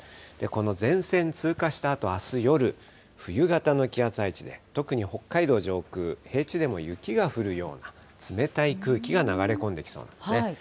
この前線通過したあと、あす夜、冬型の気圧配置で、特に北海道上空、平地でも雪が降るような、冷たい空気が流れ込んできそうなんですね。